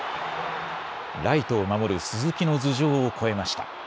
ライトを守る鈴木の頭上を越えました。